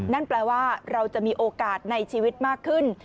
นั่นแปลว่าเราจะมีโอกาสในชีวิตมากขึ้น